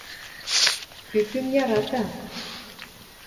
Кӱ кӱм ярата.